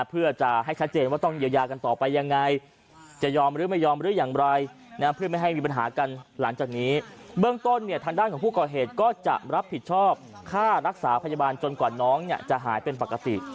เพื่อจะให้ชัดเจนว่าต้องเยียวยากันต่อไปยังไงจะยอมหรือไม่ยอมหรืออย่างไรนะเพื่อไม่ให้มีปัญหากันหลังจากนี้เบื้องต้นเนี่ยทางด้านของผู้ก่อเหตุก็จะรับผิดชอบค่ารักษาพยาบาลจนกว่าน้องเนี่ยจะหายเป็นปกติ